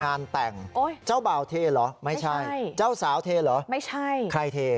งานแต่งเจ้าบ่าวเทเหรอไม่ใช่เจ้าสาวเทเหรอไม่ใช่ใครเท